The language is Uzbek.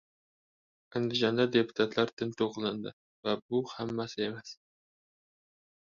Andijonda deputatlar tintuv qilindi va bu – hammasi emas...